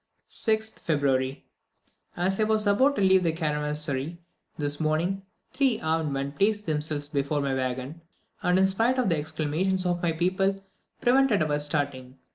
6th February. As I was about to leave the caravansary this morning, three armed men placed themselves before my waggon, and in spite of the exclamations of my people, prevented our starting.